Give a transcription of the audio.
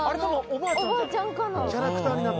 「おばあちゃんかな？」